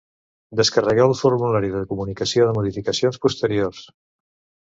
Descarregueu el formulari de comunicació de modificacions posteriors.